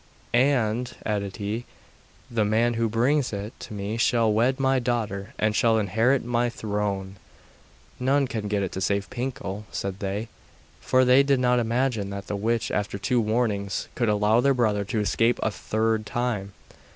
'And,' added he, 'the man who brings it to me shall wed my daughter, and shall inherit my throne.' 'None can get it save Pinkel,' said they; for they did not imagine that the witch, after two warnings, could allow their brother to escape a third time.